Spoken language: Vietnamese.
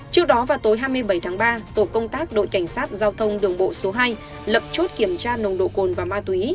trước đó vào tối hai mươi bảy tháng ba tổ công tác đội cảnh sát giao thông đường bộ số hai lập chốt kiểm tra nồng độ cồn và ma túy